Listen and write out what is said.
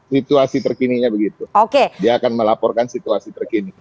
situasi terkininya begitu dia akan melaporkan situasi terkini